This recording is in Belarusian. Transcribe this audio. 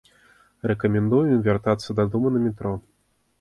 Рэкамендуем вяртацца дадому на метро.